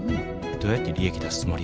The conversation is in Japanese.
どうやって利益出すつもりや。